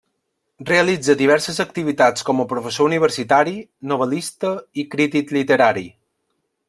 Realitza diverses activitats com a professor universitari, novel·lista i crític literari.